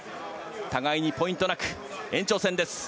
互いにポイントなく延長戦です。